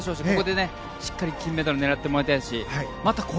ここでしっかり金メダルを狙ってもらいたいですしまた